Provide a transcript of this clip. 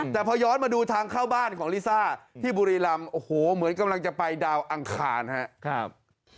แต่พอย้อนมาดูทางเข้าบ้านของลิซ่าที่บุรีรำโอ้โหเหมือนกำลังจะไปดาวอังคารครับ